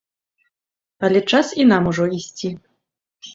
Але час і нам ужо ісці!